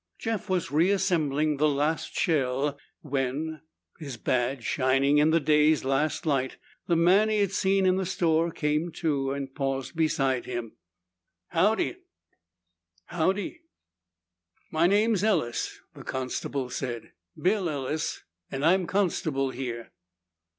Jeff was reassembling the last shell when, his badge shining in the day's last light, the man he'd seen in the store came to and paused beside him. "Howdy." "Howdy." "My name's Ellis," the constable said. "Bill Ellis and I'm constable here."